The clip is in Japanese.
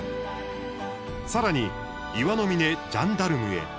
さらに、岩の峰ジャンダルムへ。